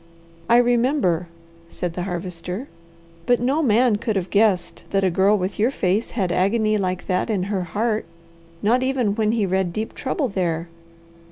"I remember," said the Harvester. "But no man could have guessed that a girl with your face had agony like that in her heart, not even when he read deep trouble there."